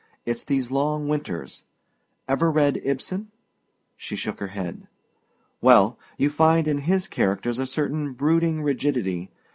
It's these long winters. Ever read Ibsen?" She shook her head. "Well, you find in his characters a certain brooding rigidity.